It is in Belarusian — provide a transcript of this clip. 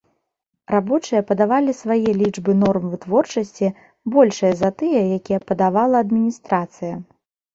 Рабочыя падавалі свае лічбы норм вытворчасці, большыя за тыя, якія падавала адміністрацыя.